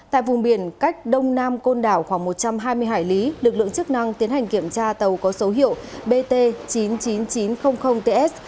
tại vùng biển cách đông nam côn đảo khoảng một trăm hai mươi hải lý lực lượng chức năng tiến hành kiểm tra tàu có số hiệu bt chín mươi chín nghìn chín trăm linh ts